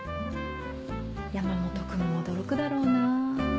山本君も驚くだろうな。